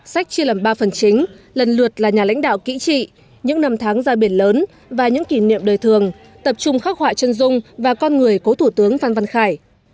sách chia làm ba phần chính lần lượt là nhà lãnh đạo kỹ trị những năm tháng ra biển lớn và những kỷ niệm đời thường tập trung khắc họa chân dung và con người cố thủ tướng phan văn khải